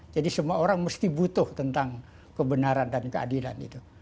jadi semua orang mesti butuh tentang kebenaran dan keadilan itu